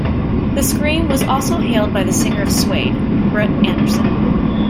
"The Scream" was also hailed by the singer of Suede, Brett Anderson.